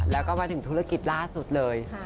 แล้วก็มาถึงธุรกิจล่าสุดเลย